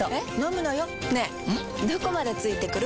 どこまで付いてくる？